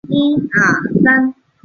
北魏复还故治。